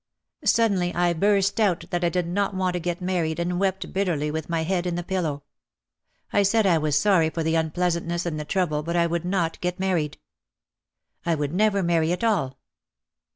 Suddenly I burst out that I did not want to get married and wept bitterly with my head in the pillow. I said I was sorry for the unpleasantness and the trouble but I would not get married. I would never marry at all.